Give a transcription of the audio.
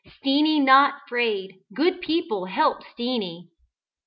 Steenie not 'fraid. Good people help Steenie."